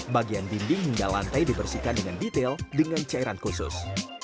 bagian dinding hingga lantai dibersihkan dengan detail dengan cairan khusus